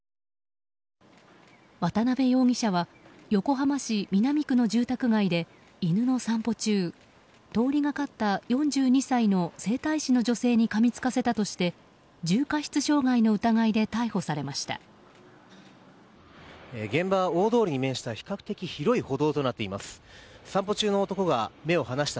渡辺容疑者は横浜市南区の住宅街で犬の散歩中通りがかった４２歳の整体師の女性にかみつかせたとして重過失傷害の疑いで逮捕されました。